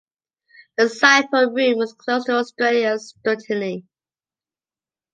The cipher room was closed to Australian scrutiny.